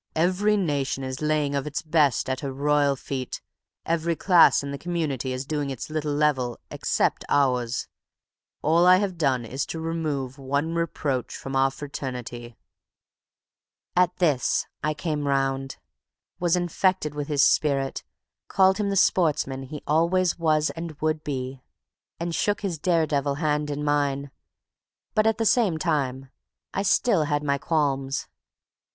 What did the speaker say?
Every nation is laying of its best at her royal feet; every class in the community is doing its little level—except ours. All I have done is to remove one reproach from our fraternity." At this I came round, was infected with his spirit, called him the sportsman he always was and would be, and shook his daredevil hand in mine; but, at the same time, I still had my qualms.